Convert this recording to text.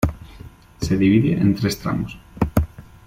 Se divide en tres tramos.